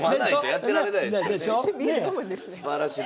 すばらしい。